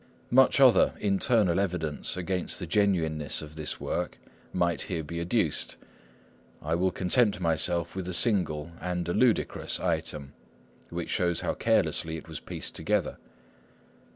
Much other internal evidence against the genuineness of this work might here be adduced. I will content myself with a single, and a ludicrous, item, which shows how carelessly it was pieced together.